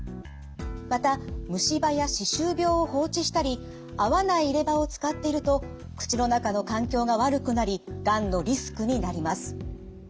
また虫歯や歯周病を放置したり合わない入れ歯を使っていると口の中の環境が悪くなりがんのリスクになります。